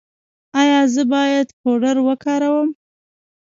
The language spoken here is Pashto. ایا زه باید پوډر وکاروم؟